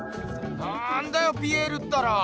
なんだよピエールったら。